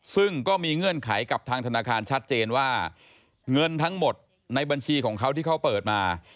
ซึ่งก็มีเงื่อนไขกับทางธนาคารชัดเจนว่าเงินทั้งหมดในบัญชีของเขาที่เขาเปิดมา